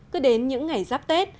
cứ đến những ngày giáp tết